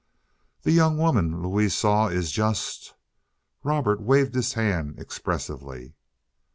"The young woman Louise saw is just—" Robert waved his hand expressively.